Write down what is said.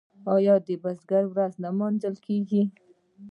آیا د بزګر ورځ نه لمانځل کیږي؟